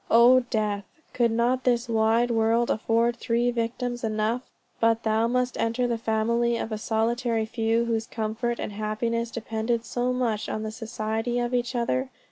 Oh death, could not this wide world afford thee victims enough, but thou must enter the family of a solitary few whose comfort and happiness depended so much on the society of each other?